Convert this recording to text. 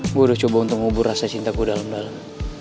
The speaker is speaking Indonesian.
gue udah coba untuk mengubur rasa cintaku dalam dalam